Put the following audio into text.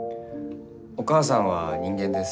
お母さんは人間です。